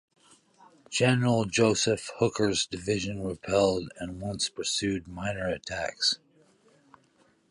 General Joseph Hooker's division repelled and once pursued minor attacks.